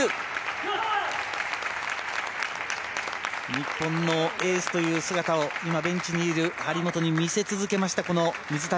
日本のエースという姿を今ベンチにいる張本に見せ続けました、水谷。